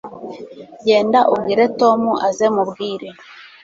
genda ubwire tom aze mubwire